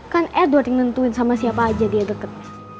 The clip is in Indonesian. kan edward yang nentuin sama siapa aja dia deket